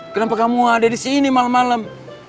kenapa kamu ada di sini malem malem